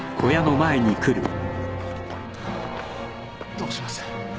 どうします？